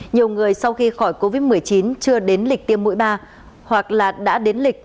nhiều người sau khi khỏi covid một mươi chín chưa đến lịch tiêm mũi ba hoặc là đã đến lịch